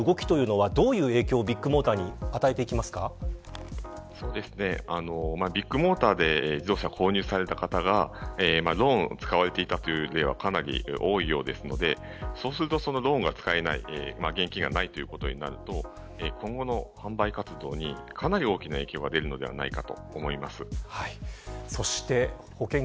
信販会社の動きというのはどういう影響をビッグモーターにビッグモーターで自動車を購入された方がローンを使われていたという例はかなり多いようですのでそうすると、そのローンが使えない、現金がないということになると今後の販売活動ともにかなり大きな影響が出るんではないかと思います。